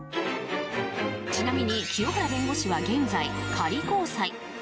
ちなみに清原弁護士は現在、仮交際。